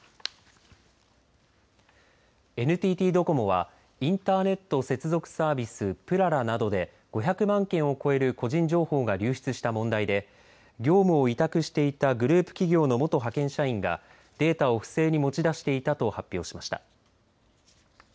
ＮＴＴドコモはインターネット接続サービスぷららなどで５００万件を超える個人情報が流出した問題で業務を委託していたグループ企業の元派遣社員がデータを不正に持ち出していたと発表しました。